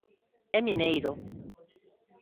E mineiro.